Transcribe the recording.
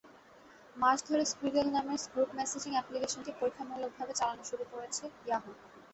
মাস ধরে স্কুইরেল নামের group messaging অ্যাপ্লিকেশনটি পরীক্ষামূলকভাবে চালানো শুরু করেছে ইয়াহু।